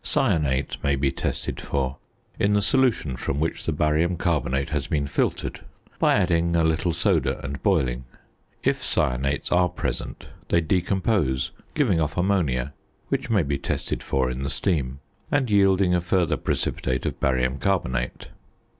Cyanate may be tested for in the solution from which the barium carbonate has been filtered by adding a little soda and boiling; if cyanates are present they decompose, giving off ammonia (which may be tested for in the steam) and yielding a further precipitate of barium carbonate.